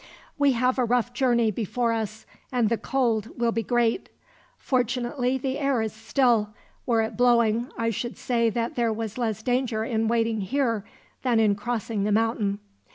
We have a rough journey before us, and the cold will be great. Fortunately, the air is still. Were it blowing, I should say that there was less danger in waiting here than in crossing the mountain."